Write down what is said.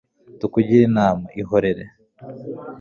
tukugire inama, ihorere